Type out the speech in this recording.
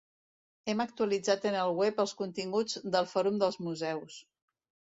Hem actualitzat en el web els continguts del Fòrum dels Museus.